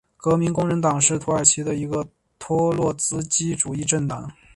革命工人党是土耳其的一个托洛茨基主义政党。